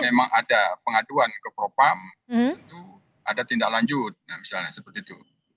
memang ada pengaduan ke propam tentu ada tindak lanjut misalnya seperti itu